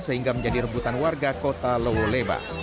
sehingga menjadi rebutan warga kota lowo leba